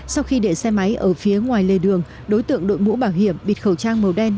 sau khi để xe máy ở phía ngoài lề đường đối tượng đội mũ bảo hiểm bịt khẩu trang màu đen